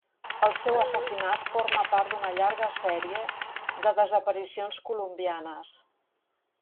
El seu assassinat forma part d'una llarga sèrie de desaparicions colombianes.